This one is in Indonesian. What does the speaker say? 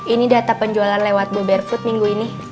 ini data penjualan lewat boba fett minggu ini